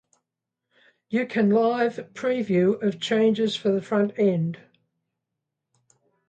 You can live preview of changes for the frontend.